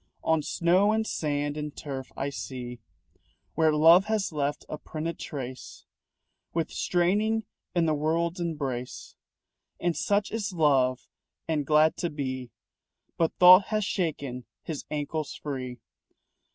On snow and sand and turf, I see Where Love has left a printed trace With straining in the world's embrace. And such is Love and glad to be. But Thought has shaken his ankles free.